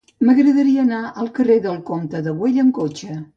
M'agradaria anar al carrer del Comte de Güell amb cotxe.